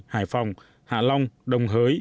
hải phòng hạ long đồng hới